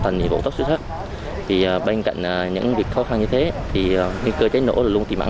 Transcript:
thành nhiệm vụ tốt xuất sắc bên cạnh những việc khó khăn như thế thì những cơ chế nổ là luôn tìm